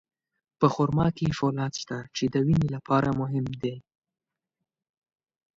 په خرما کې فولاد شته، چې د وینې لپاره مهم دی.